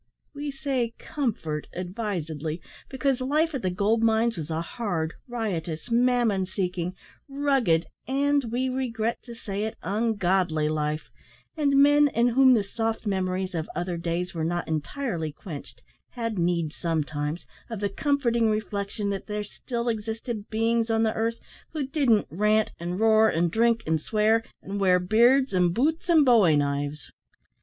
We say "comfort" advisedly, because life at the gold mines was a hard, riotous, mammon seeking, rugged, and, we regret to say it, ungodly life; and men, in whom the soft memories of "other days" were not entirely quenched, had need, sometimes, of the comforting reflection that there still existed beings on the earth who didn't rant, and roar, and drink, and swear, and wear beards, and boots, and bowie knives.